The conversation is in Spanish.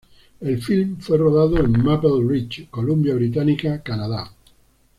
El film fue rodado en Maple Ridge, Columbia Británica, Canadá.